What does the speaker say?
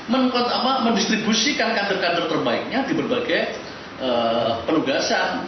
mendistribusikan kader kader terbaiknya di pelugasan